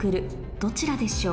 どちらでしょう？